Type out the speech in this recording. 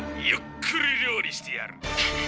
ゆっくり料理してやる。